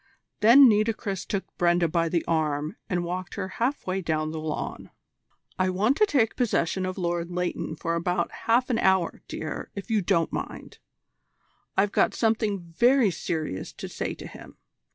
Then Nitocris took Brenda by the arm and walked her half way down the lawn. "I want to take possession of Lord Leighton for about half an hour, dear, if you don't mind. I've got something very serious to say to him.